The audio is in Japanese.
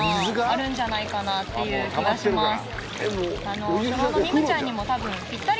あるんじゃないかなっていう気がします